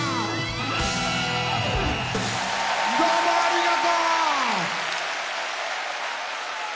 どうもありがとう！